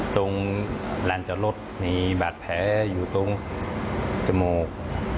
ตรงลานจอดรถมีบาดแผลอยู่ตรงจมูก